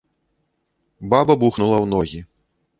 Баба бухнула ў ногі.